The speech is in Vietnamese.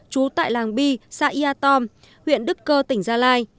trú tại làng bi xã yatom huyện đức cơ tỉnh gia lai